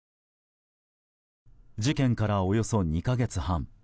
事件からおよそ２か月半。